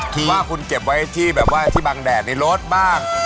คือว่าคุณเก็บไว้ที่แบบว่าที่บางแดดในรถบ้าง